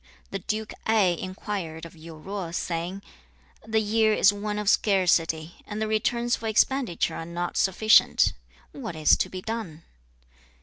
The Duke Ai inquired of Yu Zo, saying, 'The year is one of scarcity, and the returns for expenditure are not sufficient; what is to be done?'